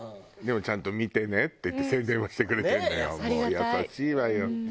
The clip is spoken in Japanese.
優しいわよ。